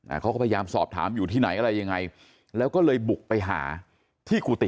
เขาก็พยายามสอบถามอยู่ที่ไหนอะไรยังไงแล้วก็เลยบุกไปหาที่กุฏิ